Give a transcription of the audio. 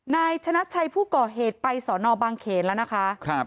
นายชนะชัยผู้ก่อเหตุไปสอนอบางเขนแล้วนะคะ